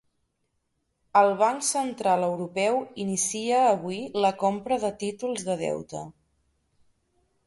El Banc Central Europeu inicia avui la compra de títols de deute.